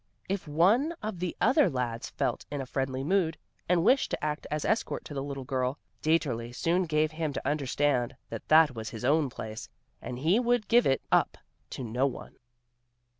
If one of the other lads felt in a friendly mood, and wished to act as escort to the little girl, Dieterli soon gave him to understand that that was his own place, and he would give it up to no one.